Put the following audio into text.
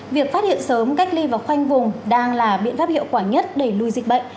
việc phát hiện sớm cách ly và khoanh vùng đang là biện pháp hiệu quả nhất đẩy lùi dịch bệnh